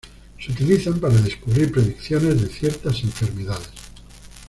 Se utilizan para descubrir predicciones de ciertas enfermedades.